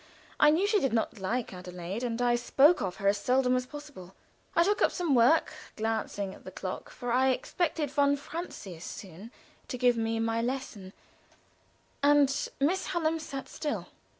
I knew she did not like Adelaide, and I spoke of her as seldom as possible. I took up some work, glancing at the clock, for I expected von Francius soon to give me my lesson, and Miss Hallam sat still.